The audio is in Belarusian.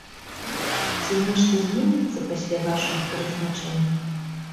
Ці нешта зменіцца пасля вашага прызначэння?